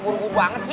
sekarang kalian keluar